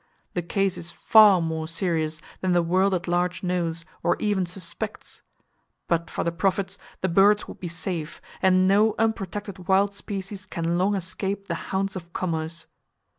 The case is far more serious than the world at large knows, or even suspects. But for the profits, the birds would be safe; and no unprotected wild species can long escape the hounds of Commerce.